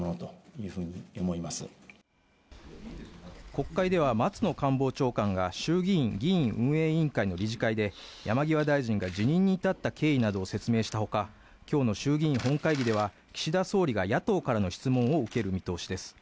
国会では松野官房長官が衆議院議院運営委員会の理事会で山際大臣が辞任に至った経緯などを説明したほかきょうの衆議院本会議では岸田総理が野党からの質問を受ける見通しです